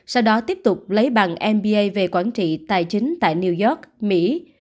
sau đó tiếp tục lấy bằng mba về quản trị tài chính tại new york mỹ